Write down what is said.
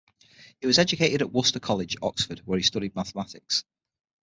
He was educated at Worcester College, Oxford, where he studied mathematics.